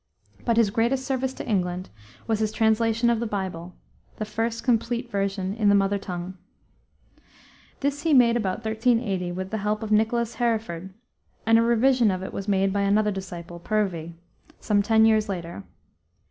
But his greatest service to England was his translation of the Bible, the first complete version in the mother tongue. This he made about 1380, with the help of Nicholas Hereford, and a revision of it was made by another disciple, Purvey, some ten years later.